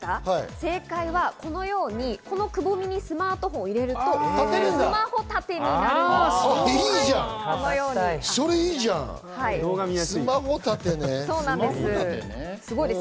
正解はこのように、このくぼみにスマートフォンを入れるとスマホ立てになるんです。